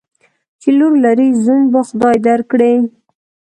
چی لور لرې ، زوم به خدای در کړي.